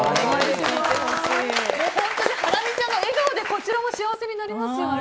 本当にハラミちゃんの笑顔でこちらも幸せになりますよね。